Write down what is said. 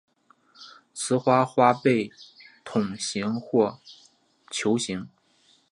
雌花花被筒形或球形。